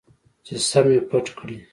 چې سم مې پټ کړي.